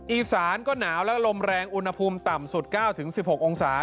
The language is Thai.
อีสานก็หนาวและลมแรงอุณหภูมิต่ำสุด๙๑๖องศา